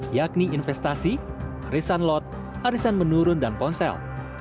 yakni investasi arisan lot arisan menurun dan ponsel